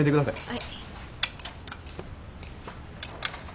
はい。